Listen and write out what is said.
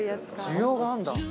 需要があるんだ。